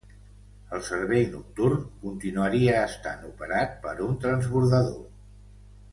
El servei nocturn continuaria estant operat per un transbordador.